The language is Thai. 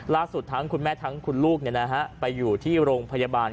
ทั้งคุณแม่ทั้งคุณลูกไปอยู่ที่โรงพยาบาล